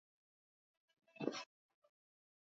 mjerumani heinrich hertz alitagundua mawimbi ya sumakuumeme